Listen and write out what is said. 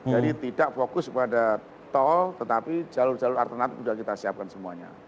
jadi tidak fokus pada tol tetapi jalur jalur alternatif sudah kita siapkan semuanya